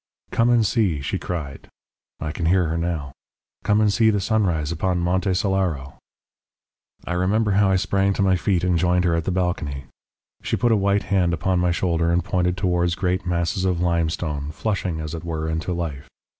"'Come and see,' she cried I can hear her now 'come and see the sunrise upon Monte Solaro.' "I remember how I sprang to my feet and joined her at the balcony. She put a white hand upon my shoulder and pointed towards great masses of limestone, flushing, as it were, into life.